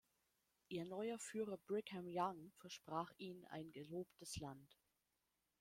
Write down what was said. Ihr neuer Führer Brigham Young versprach ihnen ein Gelobtes Land.